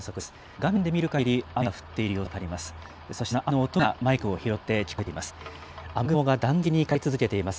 画面で見るかぎり、雨が降っている様子が分かります。